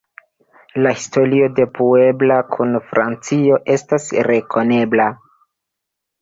La historio de Puebla kun Francio estas rekonebla.